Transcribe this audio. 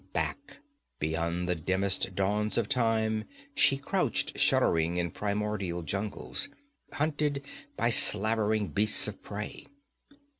Back beyond the dimmest dawns of Time she crouched shuddering in primordial jungles, hunted by slavering beasts of prey.